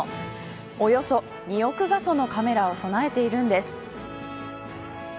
およそ２億画素のカメラを備えているんです。